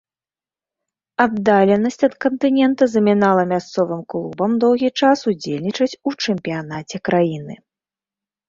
Аддаленасць ад кантынента замінала мясцовым клубам доўгі час удзельнічаць у чэмпіянаце краіны.